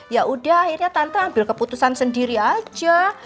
ya udah akhirnya tante ambil keputusan sendiri aja